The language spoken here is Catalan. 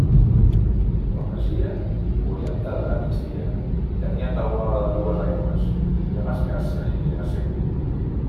La masia, orientada a migdia, tenia teulada a dues aigües i amb escassa inclinació.